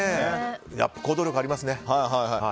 やっぱり行動力ありますね。